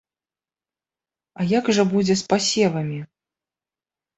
А як жа будзе з пасевамі?